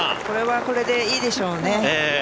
これはこれでいいでしょうね。